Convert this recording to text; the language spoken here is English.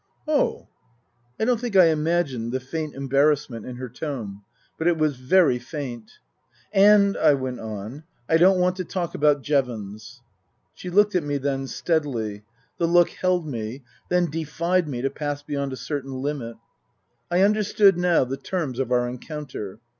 " Oh " I don't think I imagined the faint embarrassment in her tone. But it was very faint. " And," I went on, " I don't want to talk about Jevons." She looked at me then steadily. The look held me, then defied me to pass beyond a certain limit. I under stood now the terms of our encounter.